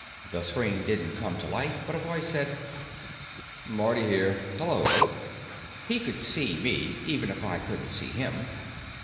The screen didn't come to life, but a voice said: "Marty here. Hullo, Oak." He could see me, even if I couldn't see him.